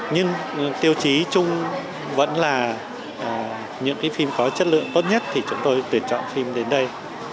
nhưng tiêu chí chung vẫn là những cái phim có chất lượng tốt nhất thì chúng tôi tuyển chọn phim đến đây